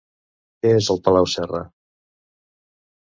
Què és el Palau Serra?